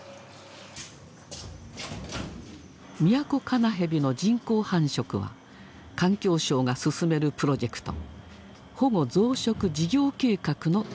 ミヤコカナヘビの人工繁殖は環境省が進めるプロジェクト「保護増殖事業計画」の一環だ。